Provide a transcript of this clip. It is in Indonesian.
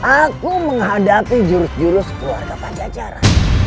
aku menghadapi jurus jurus keluarga pajajaran